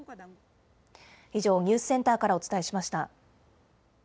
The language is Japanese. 以上、ニュースセンターからお伝えしました。